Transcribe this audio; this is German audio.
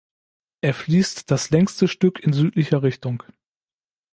Er fließt das längste Stück in südlicher Richtung.